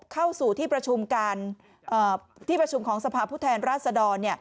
เข้าสู่ที่ประชุมของสภาพผู้แทนราษฎร